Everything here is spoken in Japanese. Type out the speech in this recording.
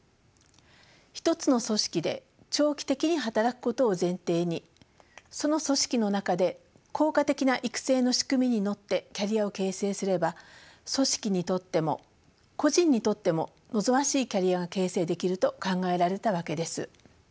１つの組織で長期的に働くことを前提にその組織の中で効果的な育成の仕組みに乗ってキャリアを形成すれば組織にとっても個人にとっても望ましいキャリアが形成できると考えられたわけです。